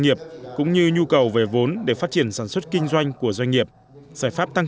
nghiệp cũng như nhu cầu về vốn để phát triển sản xuất kinh doanh của doanh nghiệp giải pháp tăng